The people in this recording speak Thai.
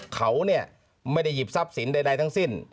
เขาไม่ได้หยิบทรัพย์สินใดทั้งสิ้น